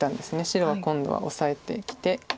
白は今度はオサえてきて。